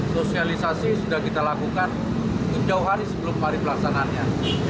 sosialisasi sudah kita lakukan sejauh hari sebelum hari pelaksanannya